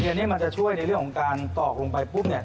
อันนี้มันจะช่วยในเรื่องของการตอกลงไปปุ๊บเนี่ย